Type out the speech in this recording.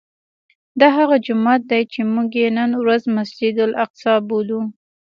دا هغه جومات دی چې موږ یې نن ورځ مسجد الاقصی بولو.